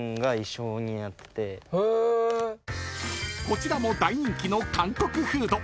［こちらも大人気の韓国フード］